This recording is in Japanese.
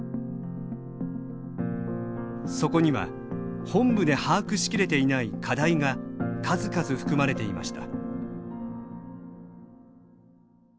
そこには本部で把握しきれていない課題が数々含まれていました。